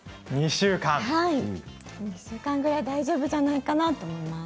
２週間ぐらい大丈夫かなと思います。